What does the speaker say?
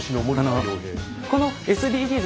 このＳＤＧｓ